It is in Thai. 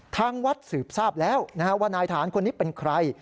ทางวัดสืบทราบแล้วว่านายฐานคนนี้เป็นใคร